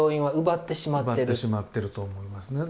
奪ってしまってると思いますね。